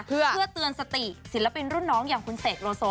เพื่อเตือนสติศิลปินรุ่นน้องอย่างคุณเสกโลโซ